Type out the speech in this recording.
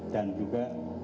dan juga kegiatan